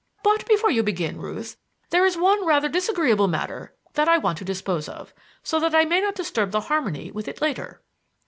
But before you begin, Ruth, there is one rather disagreeable matter that I want to dispose of, so that I may not disturb the harmony with it later."